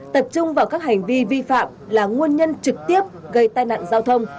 tập trung vào các hành vi vi phạm là nguồn nhân trực tiếp gây tai nạn giao thông